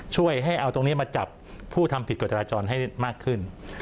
ช่วยให้เอาตรงนี้มาจับผู้ทำผิดกฎจราจรให้มากขึ้น